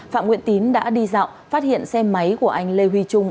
phạm nguyễn tín đã đi dạo phát hiện xe máy của anh lê huy trung